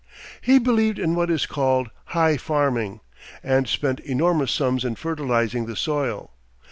He believed in what is called "high farming," and spent enormous sums in fertilizing the soil.